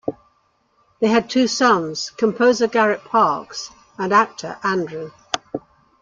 They had two sons, composer Garrett Parks and actor Andrew.